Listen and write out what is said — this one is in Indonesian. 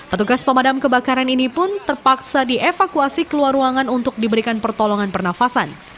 petugas pemadam kebakaran ini pun terpaksa dievakuasi keluar ruangan untuk diberikan pertolongan pernafasan